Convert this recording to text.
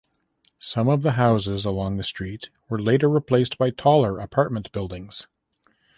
Some of the houses along the street were later replaced by taller apartment buildings.